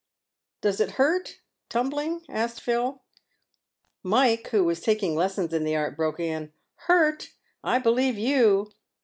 " Does it hurt, tumbling ?" asked Phil. Mike, who was taking lessons in the art, broke in, " Hurt ! I be lieve you.